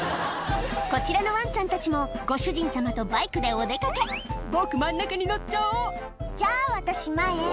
こちらのワンちゃんたちもご主人様とバイクでお出掛け「僕真ん中に乗っちゃおう」「じゃあ私前」